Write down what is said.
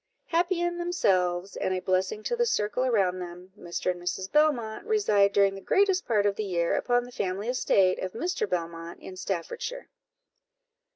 Happy in themselves, and a blessing to the circle around them, Mr. and Mrs. Belmont reside during the greatest part of the year upon the family estate of Mr. Belmont in Staffordshire.